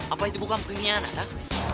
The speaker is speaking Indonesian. apa itu bukan penyianat ah